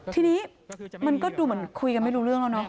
ทีนี้มันก็ดูเหมือนคุยกันไม่รู้เรื่องแล้วเนาะ